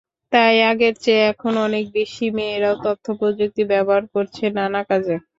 তাই আগের চেয়ে এখন অনেক বেশি মেয়েরাও তথ্যপ্রযুক্তি ব্যবহার করছে নানা কাজে।